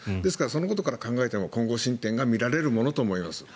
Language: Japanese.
そのことから考えても今後、進展が見られるものとみられます。